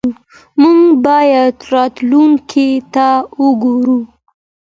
موږ باید راتلونکي ته وګورو.